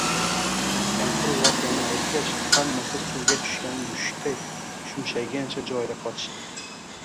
Kampir voqeani aytgach, hammasi suvga tushgan mushukdek shumshaygancha joyida qotishdi